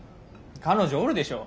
彼女おるでしょ。